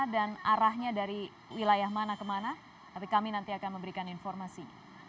dan arahnya dari wilayah mana ke mana tapi kami nanti akan memberikan informasi